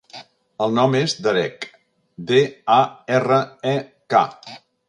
El nom és Darek: de, a, erra, e, ca.